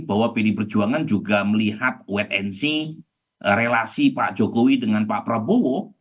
bahwa pdi perjuangan juga melihat wait and see relasi pak jokowi dengan pak prabowo